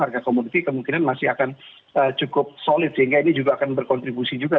harga komoditi kemungkinan masih akan cukup solid sehingga ini juga akan berkontribusi juga